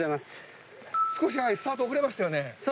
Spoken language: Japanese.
少しスタート遅れましたよね。